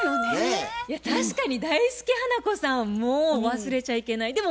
確かに大助・花子さんもう忘れちゃいけない。